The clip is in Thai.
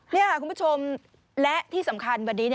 นี่ค่ะคุณผู้ชมและที่สำคัญวันนี้